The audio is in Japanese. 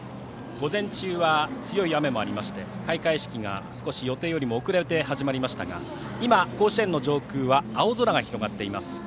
午前中は強い雨もありまして開会式が予定よりも少し遅れて始まりましたが今、甲子園の上空は青空が広がっています。